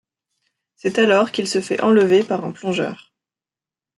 C'est alors qu'il se fait enlever par un plongeur.